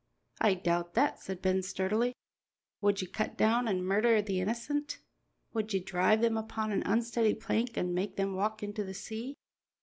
"I doubt that," said Ben sturdily. "Would ye cut down an' murder the innocent? Would ye drive them upon an unsteady plank an' make them walk into the sea?